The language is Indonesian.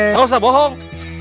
gak usah bohong